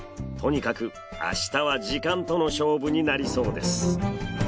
とにかく明日は時間との勝負になりそうです。